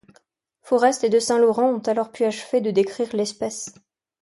Forest et de Saint Laurent ont alors pu achever de décrire l'espèce.